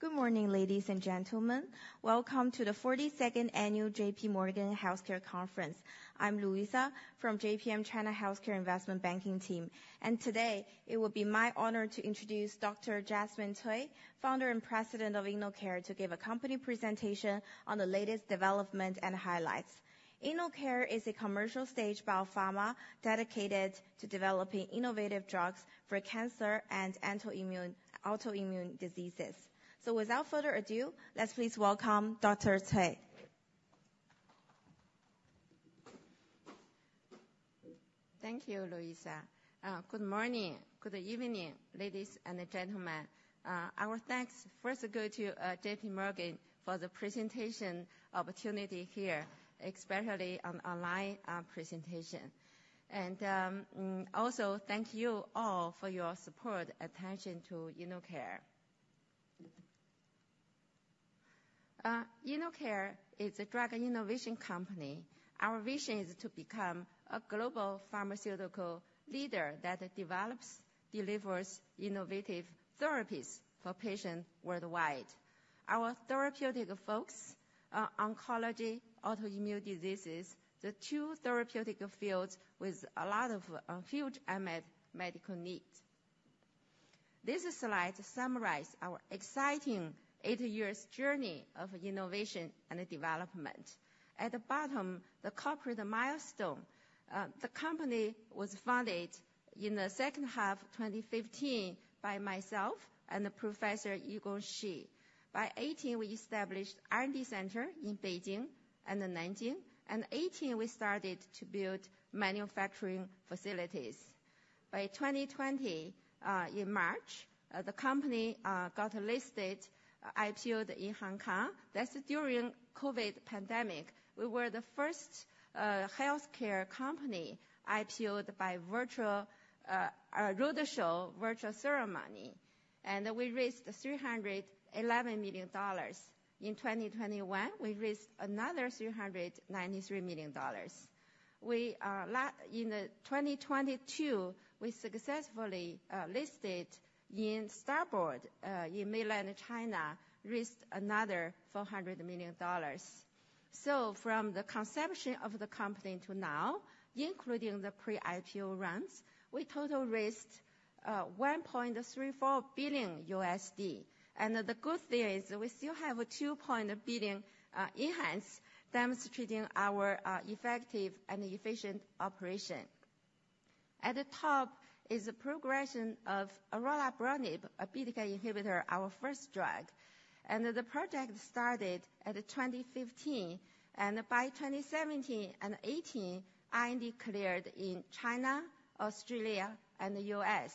Good morning, ladies and gentlemen. Welcome to the 42nd annual J.P. Morgan Healthcare Conference. I'm Louisa from JPM China Healthcare Investment Banking team, and today, it will be my honor to introduce Dr. Jasmine Cui, founder and president of InnoCare, to give a company presentation on the latest development and highlights. InnoCare is a commercial stage biopharma dedicated to developing innovative drugs for cancer and autoimmune diseases. So without further ado, let's please welcome Dr. Cui. Thank you, Louisa. Good morning, good evening, ladies and gentlemen. Our thanks first go to J.P. Morgan for the presentation opportunity here, especially on online presentation. Also, thank you all for your support, attention to InnoCare. InnoCare is a drug innovation company. Our vision is to become a global pharmaceutical leader that develops, delivers innovative therapies for patients worldwide. Our therapeutic focus are oncology, autoimmune diseases, the two therapeutic fields with a lot of huge unmet medical needs. This slide summarizes our exciting eight years journey of innovation and development. At the bottom, the corporate milestone. The company was founded in the second half of 2015 by myself and Professor Yigong Shi. By 2018, we established R&D center in Beijing and in 2019. In 2018, we started to build manufacturing facilities. By 2020, in March, the company got listed, IPO'd in Hong Kong. That's during COVID pandemic. We were the first healthcare company IPO'd by virtual roadshow, virtual ceremony, and we raised $311 million. In 2021, we raised another $393 million. We in 2022, we successfully listed in STAR Board, in Mainland China, raised another $400 million. So from the inception of the company to now, including the pre-IPO rounds, we total raised $1.34 billion. The good thing is we still have $2 billion in cash, demonstrating our effective and efficient operation. At the top is a progression of orelabrutinib, a BTK inhibitor, our first drug, and the project started at 2015, and by 2017 and 2018, IND cleared in China, Australia, and the U.S.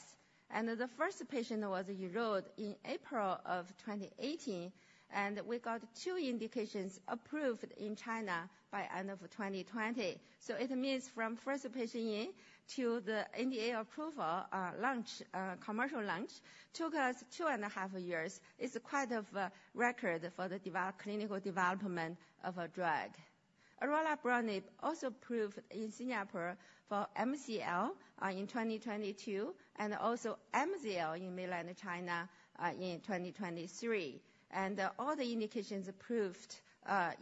The first patient was enrolled in April of 2018, and we got two indications approved in China by end of 2020. So it means from first patient in to the NDA approval, launch, commercial launch, took us two and half years. It's quite of a record for the clinical development of a drug. Orelabrutinib also approved in Singapore for MCL in 2022, and also MCL in Mainland China in 2023. All the indications approved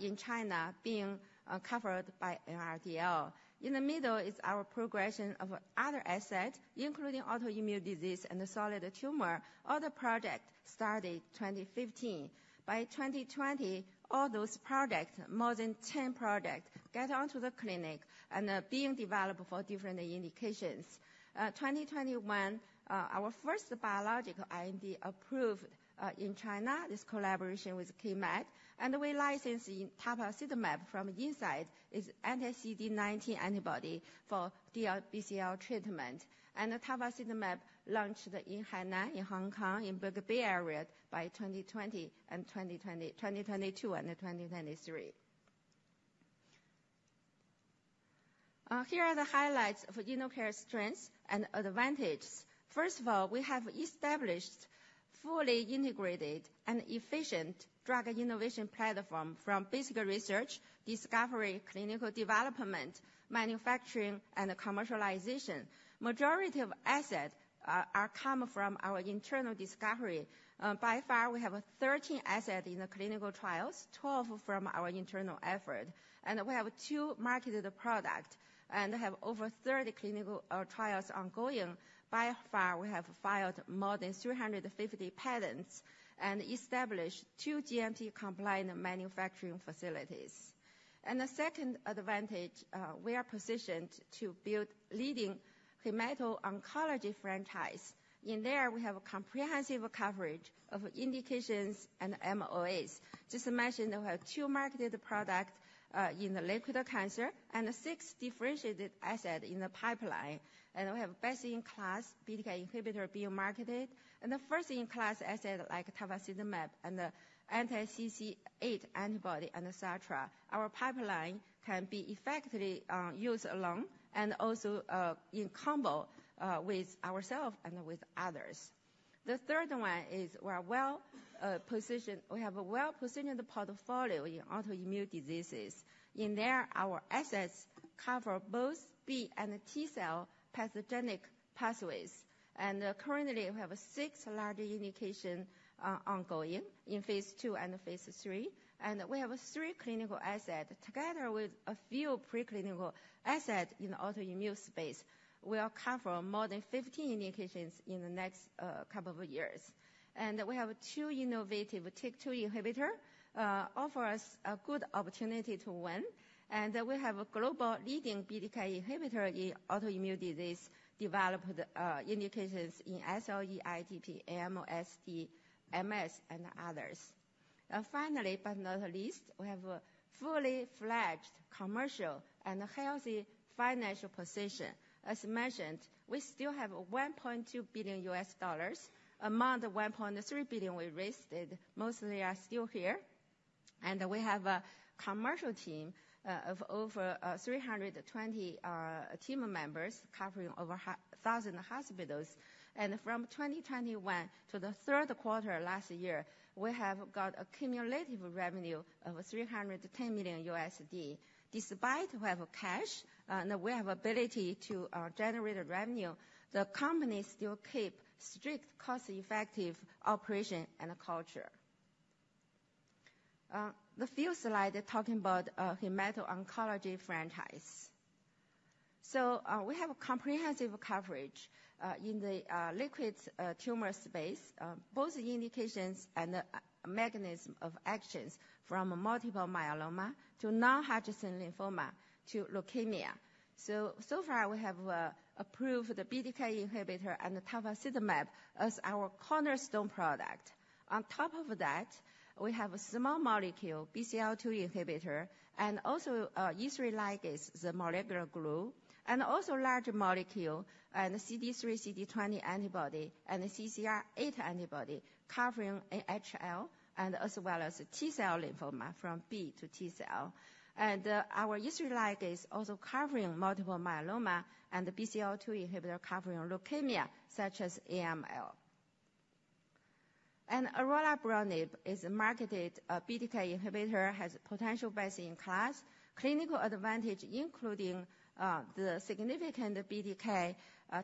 in China being covered by NRDL. In the middle is our progression of other assets, including autoimmune disease and the solid tumor. Other projects started 2015. By 2020, all those products, more than 10 products, got onto the clinic and are being developed for different indications. 2021, our first biological IND approved in China, this collaboration with Keymed, and we licensed in tafasitamab from Incyte, is anti-CD19 antibody for DLBCL treatment. And the tafasitamab launched in China, in Hong Kong, in Bay Area by 2020 and 2022 and 2023. Here are the highlights of InnoCare's strengths and advantages. First of all, we have established fully integrated and efficient drug innovation platform from basic research, discovery, clinical development, manufacturing, and commercialization. Majority of assets are coming from our internal discovery. By far, we have 13 assets in the clinical trials, 12 from our internal effort, and we have two marketed products and have over 30 clinical trials ongoing. By far, we have filed more than 350 patents and established two GMP-compliant manufacturing facilities. The second advantage, we are positioned to build leading hematology oncology franchise. In there, we have a comprehensive coverage of indications and MOAs. Just imagine, we have two marketed product in the liquid cancer and six differentiated asset in the pipeline, and we have best-in-class BTK inhibitor being marketed and the first-in-class asset, like tafasitamab and the anti-CCR8 antibody and et cetera. Our pipeline can be effectively used alone and also in combo with ourselves and with others. The third one is we're well positioned. We have a well-positioned portfolio in autoimmune diseases. In there, our assets cover both B and T cell pathogenic pathways. Currently, we have six large indications ongoing in phase II and phase III, and we have three clinical assets together with a few preclinical assets in autoimmune space that will cover more than 15 indications in the next couple of years. And we have two innovative TYK2 inhibitors that offer us a good opportunity to win, and we have a global leading BTK inhibitor in autoimmune disease, developing indications in SLE, ITP, NMOSD, MS, and others. Finally, but not least, we have a fully-fledged commercial and a healthy financial position. As mentioned, we still have $1.2 billion, amount of $1.3 billion we raised; it mostly is still here. And we have a commercial team of over 320 team members covering over 1,000 hospitals. From 2021 to the third quarter last year, we have got a cumulative revenue of $310 million. Despite we have a cash, and we have ability to generate revenue, the company still keep strict cost-effective operation and culture. The few slides talking about the hemato-oncology franchise. So, we have a comprehensive coverage in the liquid tumor space, both indications and mechanism of actions from multiple myeloma to non-Hodgkin lymphoma to leukemia. So, so far we have approved the BTK inhibitor and tafasitamab as our cornerstone product. On top of that, we have a small molecule, BCL-2 inhibitor, and also ubiquitin ligase, the molecular glue, and also large molecule, and CD3/CD20 antibody, and the CCR8 antibody, covering NHL and as well as T-cell lymphoma from B to T cell. Our ubiquitin ligase is also covering multiple myeloma and the BCL-2 inhibitor covering leukemia, such as AML. Orelabrutinib is a marketed BTK inhibitor, has potential best-in-class clinical advantage, including the significant BTK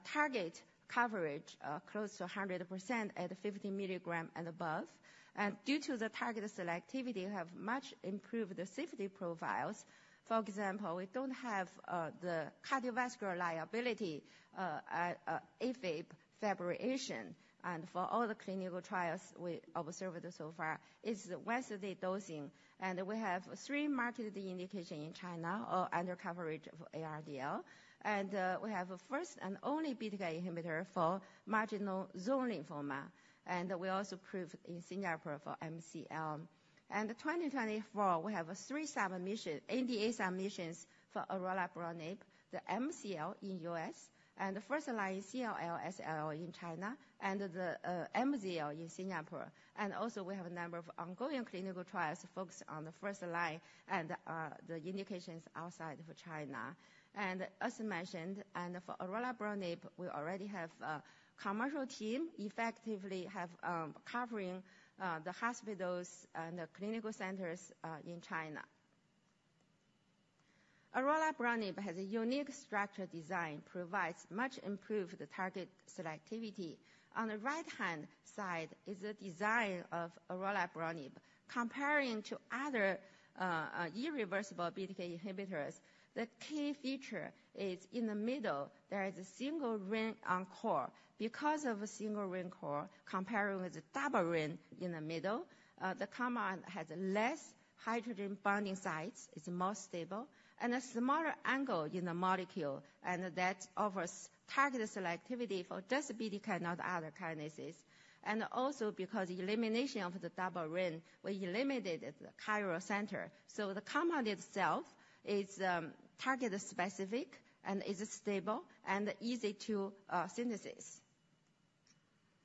target coverage close to 100% at 50 milligram and above. And due to the target selectivity, we have much improved the safety profiles. For example, we don't have the cardiovascular liability, AFib fibrillation, and for all the clinical trials we observed so far, it's once-a-day dosing. And we have three marketed indication in China under coverage of NRDL. And we have a first and only BTK inhibitor for marginal zone lymphoma, and we also approved in Singapore for MCL. In 2024, we have three NDA submissions for orelabrutinib, the MCL in U.S., and the first-line CLL/SLL in China, and the MZL in Singapore. Also, we have a number of ongoing clinical trials focused on the first line and the indications outside of China. As mentioned, for orelabrutinib, we already have a commercial team effectively covering the hospitals and the clinical centers in China. Orelabrutinib has a unique structure design, provides much improved target selectivity. On the right-hand side is a design of orelabrutinib. Comparing to other irreversible BTK inhibitors, the key feature is in the middle, there is a single ring on core. Because of a single ring core, comparing with the double ring in the middle, the compound has less hydrogen bonding sites, it's more stable, and a smaller angle in the molecule, and that offers target selectivity for just BTK, not other kinases. And also because elimination of the double ring, we eliminated the chiro center. So the compound itself is target-specific and is stable and easy to synthesis.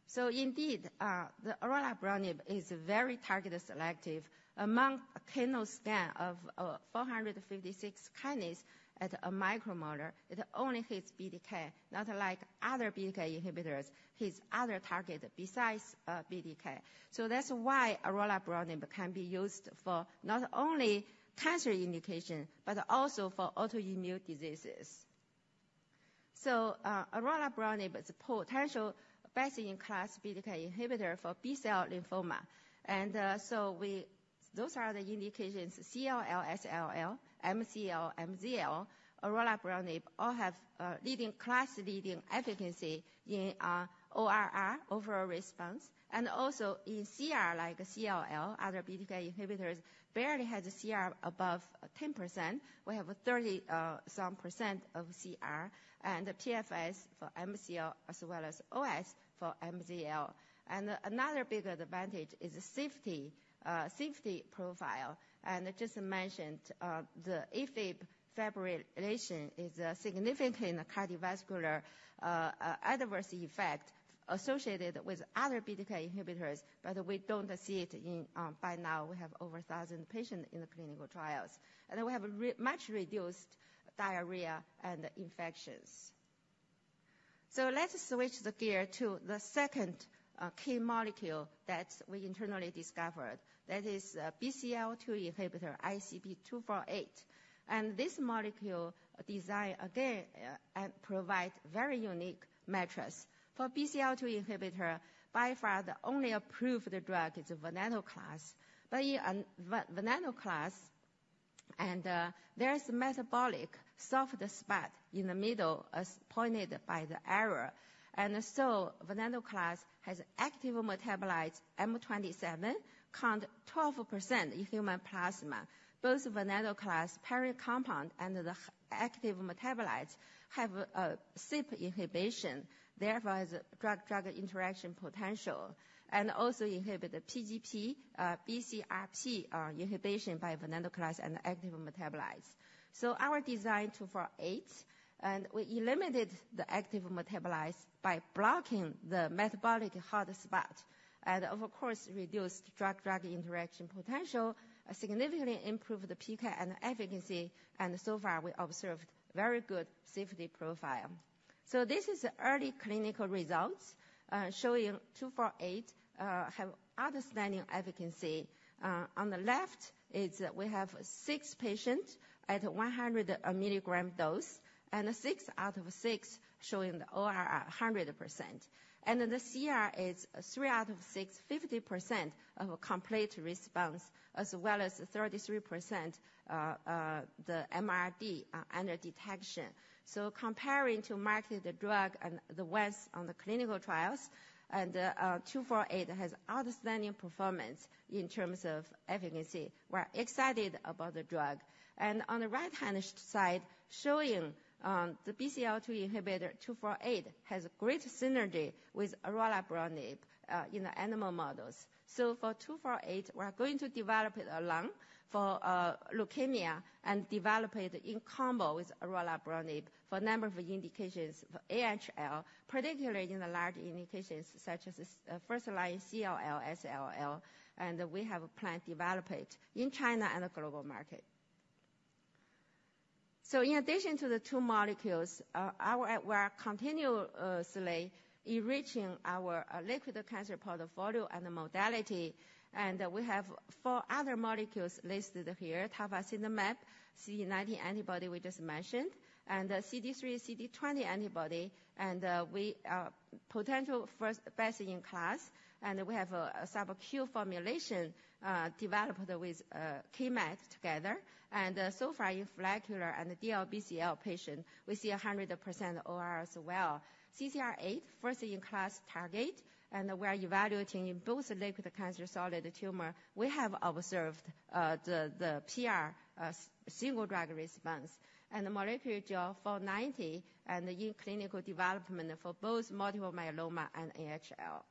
So indeed, the orelabrutinib is very target selective. Among a panel scan of 456 kinase at a micromolar, it only hits BTK, not like other BTK inhibitors, hits other target besides BTK. So that's why orelabrutinib can be used for not only cancer indication, but also for autoimmune diseases. So orelabrutinib is a potential best-in-class BTK inhibitor for B-cell lymphoma. And so we—those are the indications, CLL, SLL, MCL, MZL. Orelabrutinib all have leading, class-leading efficacy in ORR, overall response, and also in CR, like CLL, other BTK inhibitors barely has a CR above 10%. We have a 30-some% of CR, and the PFS for MCL, as well as OS for MZL. Another big advantage is the safety profile. I just mentioned, the AFib fibrillation is a significant cardiovascular adverse effect associated with other BTK inhibitors, but we don't see it in... By now, we have over 1,000 patients in the clinical trials, and we have much reduced diarrhea and infections. So let's switch the gear to the second key molecule that we internally discovered. That is, BCL-2 inhibitor, ICP-248. This molecule- design again and provide very unique matrix. For BCL-2 inhibitor, by far the only approved drug is venetoclax. But in venetoclax, and there is metabolic soft spot in the middle, as pointed by the arrow. And so venetoclax has active metabolites, M27, count 12% in human plasma. Both venetoclax parent compound and the active metabolites have CYP inhibition, therefore has a drug-drug interaction potential, and also inhibit the PGP, BCRP, inhibition by venetoclax and active metabolites. So our design 248, and we eliminated the active metabolites by blocking the metabolic hot spot, and of course, reduced drug-drug interaction potential, significantly improved the PK and efficacy, and so far, we observed very good safety profile. So this is early clinical results, showing 248, have outstanding efficacy. On the left is, we have six patients at 100 milligram dose, and six out of six showing the ORR 100%. And then the CR is three out of six, 50% of complete response, as well as 33%, the MRD undetectable. So comparing to marketed drugs in the West on the clinical trials, and 248 has outstanding performance in terms of efficacy. We're excited about the drug. And on the right-hand side, showing the BCL-2 inhibitor 248, has great synergy with orelabrutinib in the animal models. So for 248, we are going to develop it alone for leukemia and develop it in combo with orelabrutinib for a number of indications. For NHL, particularly in the large indications such as, first-line CLL, SLL, and we have a plan to develop it in China and the global market. So in addition to the two molecules, our-- we are continuously enriching our, liquid cancer portfolio and the modality, and we have four other molecules listed here. Tafasitamab, CD19 antibody we just mentioned, and, CD3/CD20 antibody, and, we, potential first best-in-class, and we have a, a subQ formulation, developed with, Keymed together. And, so far, in follicular and DLBCL patient, we see 100% OR as well. CCR8, first-in-class target, and we are evaluating in both liquid cancer, solid tumor. We have observed, the, the PR, single drug response. And the molecular drug 490 and in clinical development for both multiple myeloma and NHL.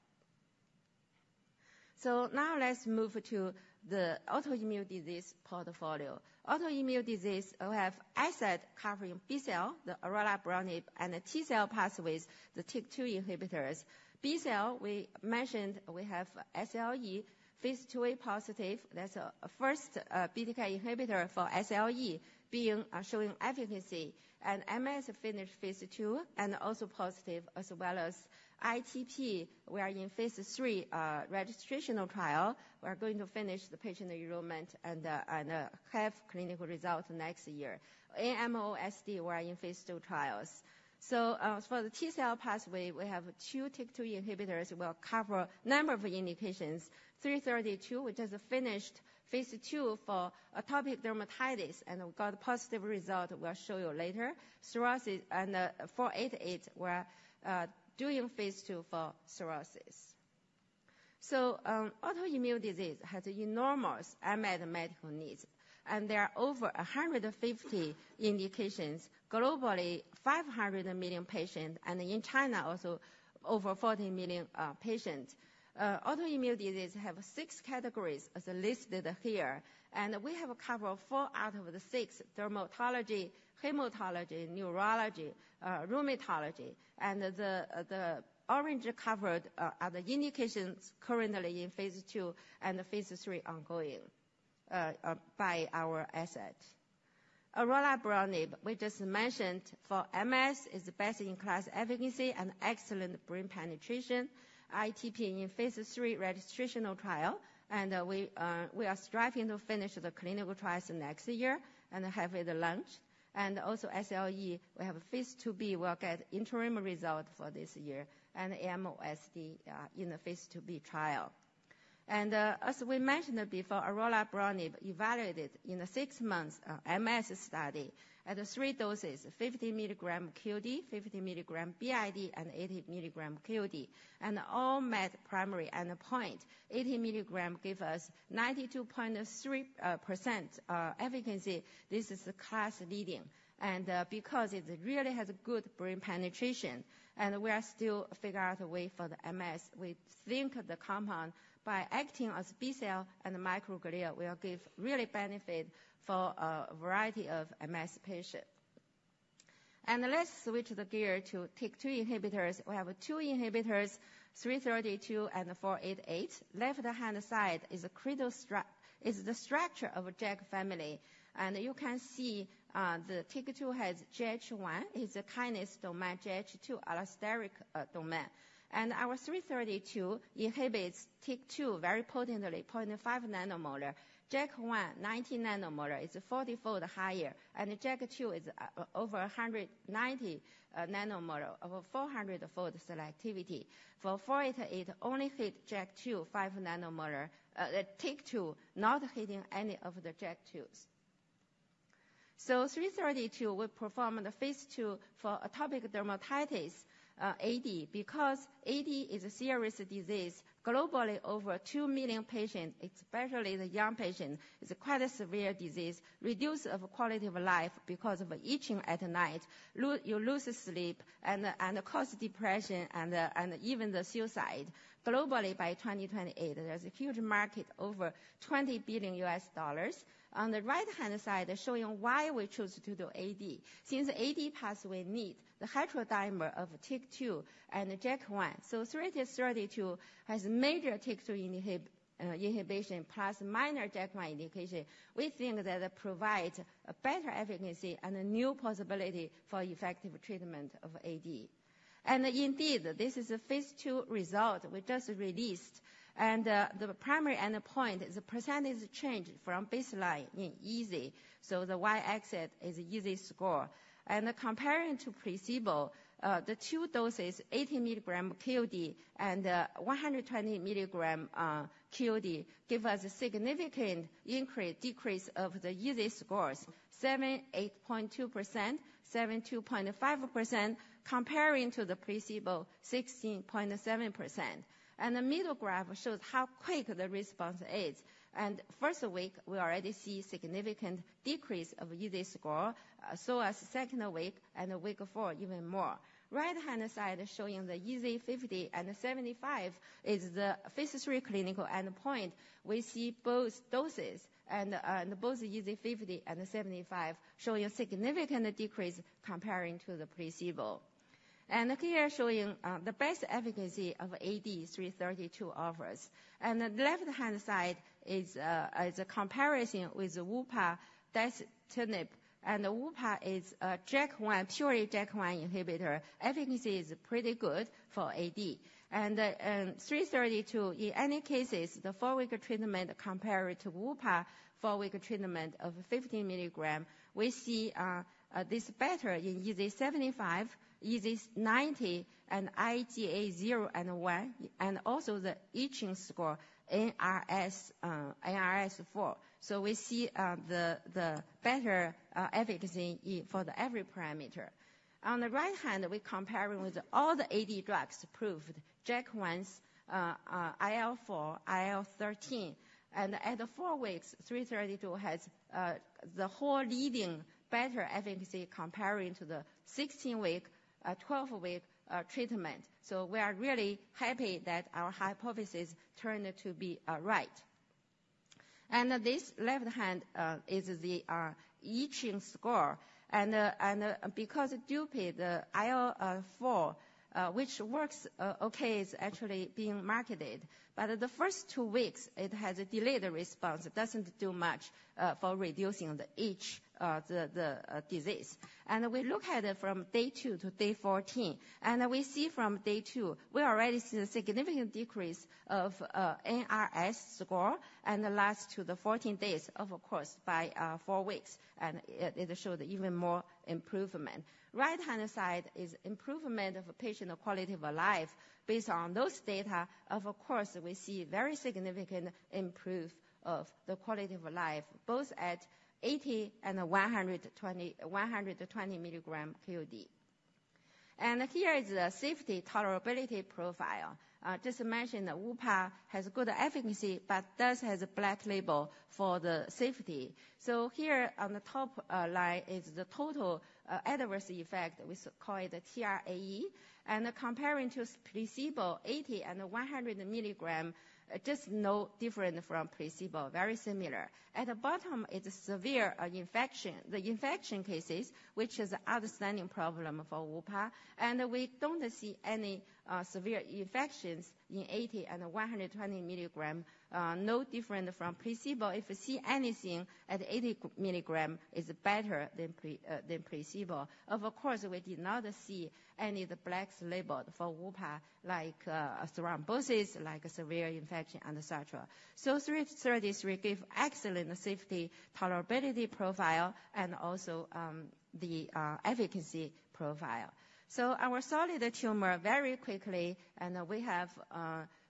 So now let's move to the autoimmune disease portfolio. Autoimmune disease, we have asset covering B-cell, the orelabrutinib, and the T-cell pathways, the TYK2 inhibitors. B-cell, we mentioned, we have SLE, phase IIa positive. That's first BTK inhibitor for SLE being showing efficacy. And MS finished phase II, and also positive, as well as ITP. We are in phase III registrational trial. We are going to finish the patient enrollment and have clinical results next year. NMOSD, we are in phase II trials. So for the T-cell pathway, we have two TYK2 inhibitors will cover a number of indications. 332, which is finished phase II for atopic dermatitis, and we've got positive result we'll show you later. Psoriasis and 488, we're doing phase II for psoriasis. So, autoimmune disease has enormous unmet medical needs, and there are over 150 indications. Globally, 500 million patients, and in China, also over 40 million patients. Autoimmune diseases have six categories, as listed here, and we have covered four out of the six: dermatology, hematology, neurology, rheumatology. And the orange covered are the indications currently in phase II and phase III ongoing by our asset. Orelabrutinib, we just mentioned for MS, is best-in-class efficacy and excellent brain penetration. ITP in phase III registrational trial, and we are striving to finish the clinical trials next year and have it launched. And also SLE, we have a phase IIb, we'll get interim result for this year, and NMOSD in the phase IIb trial. As we mentioned before, orelabrutinib evaluated in a six-month MS study at three doses, 50 mg QD, 50 mg BID, and 80 mg QD, and all met primary endpoint. 80 mg gave us 92.3% efficacy. This is class leading, and because it really has good brain penetration, and we are still figure out a way for the MS. We think the compound, by acting as B-cell and microglia, will give really benefit for a variety of MS patient. Let's switch the gear to TYK2 inhibitors. We have two inhibitors, ICP-332 and ICP-488. Left-hand side is the structure of a JAK family, and you can see, the TYK2 has JH1, a kinase domain, JH2 allosteric domain. And our ICP-332 inhibits TYK2 very potently, 0.5 nanomolar. JAK1, 90 nanomolar is 40-fold higher, and JAK2 is over 190 nanomolar, over 400-fold selectivity. For 488, only hit JAK2, 5 nanomolar, TYK2, not hitting any of the JAK2s.... So 332 will perform the phase II for atopic dermatitis, AD. Because AD is a serious disease. Globally, over two million patients, especially the young patients, is quite a severe disease, reduce of quality of life because of itching at night. You lose sleep and cause depression and even the suicide. Globally by 2028, there's a huge market, over $20 billion. On the right-hand side, showing why we chose to do AD. Since AD pathway need the heterodimer of TYK2 and JAK1. So 332 has major TYK2 inhibition plus minor JAK1 indication. We think that it provides a better efficacy and a new possibility for effective treatment of AD. Indeed, this is a phase II result we just released, and the primary endpoint, the percentage change from baseline in EASI, so the Y-axis is EASI score. Comparing to placebo, the two doses, 80 mg QOD and 120 mg QOD, give us a significant decrease of the EASI scores. 78.2%, 72.5%, comparing to the placebo, 16.7%. And the middle graph shows how quick the response is. First week, we already see significant decrease of EASI score, so as second week and week four, even more. Right-hand side is showing the EASI 50 and 75 is the phase III clinical endpoint. We see both doses and both EASI 50 and 75 showing a significant decrease comparing to the placebo. Here showing the best efficacy of ICP-332 offers. The left-hand side is a comparison with the upadacitinib. Upadacitinib is a JAK1, purely JAK1 inhibitor. Efficacy is pretty good for AD. ICP-332, in any cases, the four-week treatment compared to upadacitinib four-week treatment of 50 milligram, we see this better in EASI 75, EASI 90, and IGA zero and one, and also the itching score, NRS, NRS 4. So we see the better efficacy for every parameter. On the right hand, we comparing with all the AD drugs approved, JAK1s, IL-4, IL-13. At the four weeks, 332 has the whole leading better efficacy comparing to the 16-week 12-week treatment. So we are really happy that our hypothesis turned out to be right. And this left-hand is the itching score. And because DUPI, the IL-4, which works okay, is actually being marketed. But the first two weeks, it has a delayed response. It doesn't do much for reducing the itch, the disease. And we look at it from day two to day 14, and we see from day two, we already see a significant decrease of ARS score and the last to the 14 days of course, by four weeks, and it, it show even more improvement. Right-hand side is improvement of patient quality of life. Based on those data, of course, we see very significant improvement of the quality of life, both at 80 and 120, 120 milligram QOD. And here is the safety tolerability profile. Just to mention, Upa has good efficacy, but does have a black label for the safety. So here on the top line is the total adverse effect. We call it the TRAE. And comparing to placebo, 80 and 100 milligram, just no different from placebo. Very similar. At the bottom, it's a severe infection. The infection cases, which is outstanding problem for Upa, and we don't see any severe infections in 80 and 120 milligram, no different from placebo. If we see anything at 80 milligram is better than placebo. Of course, we did not see any of the black box labeled for venetoclax, like thrombosis, like severe infection, and et cetera. So 333 gives excellent safety, tolerability profile and also, the efficacy profile. So our solid tumor, very quickly, and we have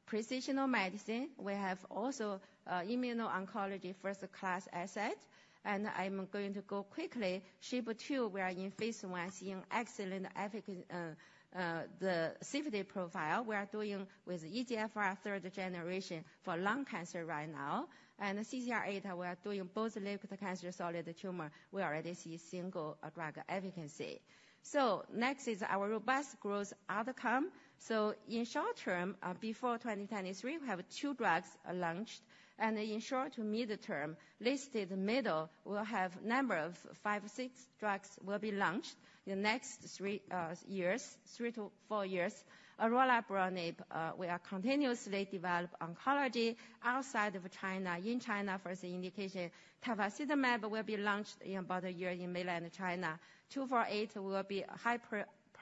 precision medicine. We have also immuno-oncology first-class asset. And I'm going to go quickly. SHP2, we are in phase I, seeing excellent efficacy, the safety profile. We are doing with EGFR third generation for lung cancer right now, and CCR8, we are doing both liquid cancer, solid tumor. We already see single-drug efficacy. So next is our robust growth outcome. So in short term, before 2023, we have two drugs launched, and in short to mid-term, listed middle, we'll have a number of five or six drugs that will be launched in the next three years, three to four years. Orelabrutinib, we are continuously developing oncology outside of China. In China, for the indication, tafasitamab will be launched in about a year in mainland China. ICP-248 will be a high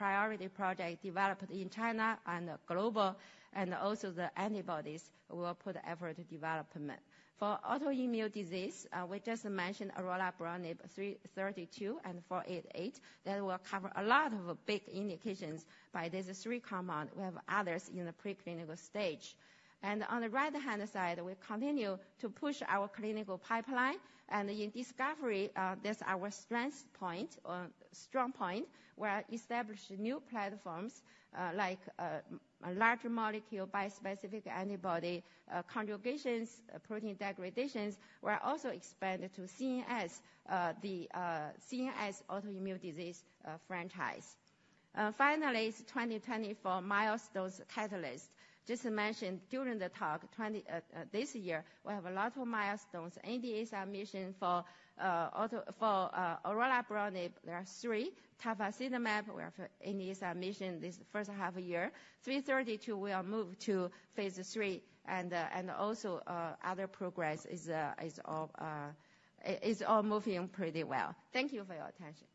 priority project developed in China and global, and also the antibodies, we will put effort to development. For autoimmune disease, we just mentioned orelabrutinib, ICP-332 and ICP-488. That will cover a lot of big indications. By these three compounds, we have others in the preclinical stage. And on the right-hand side, we continue to push our clinical pipeline. In discovery, that's our strength point, strong point, where establish new platforms, like, a larger molecule, bispecific antibody, conjugations, protein degradations. We are also expanded to CNS, the CNS autoimmune disease franchise. Finally, 2024 milestones catalyst. Just to mention, during the talk, 2024, this year, we have a lot of milestones. NDA submission for auto- for orelabrutinib. There are three. tafasitamab, we have NDA submission this first half year. 332, we are moved to phase III, and also, other progress is all moving pretty well. Thank you for your attention.